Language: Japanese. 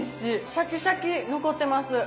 シャキシャキ残ってます。